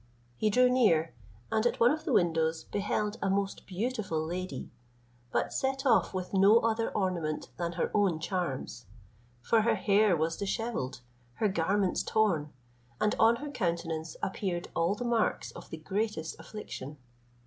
He drew near, and at one of the windows beheld a most beautiful lady; but set off with no other ornament than her own charms; for her hair was dishevelled, her garments torn, and on her countenance appeared all the marks of the greatest affliction.